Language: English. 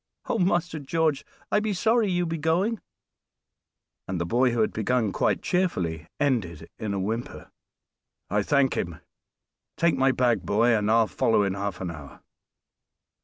Oh! Master George, I be sorry you be going," and the boy, who had begun quite cheerfully, ended in a whimper. "I thank him! Take my bag, boy, and I'll follow in half an hour."